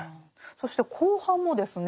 そして後半もですね。